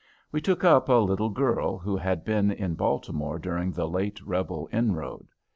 We took up a little girl who had been in Baltimore during the late Rebel inroad.